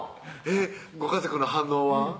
ご家族の反応は？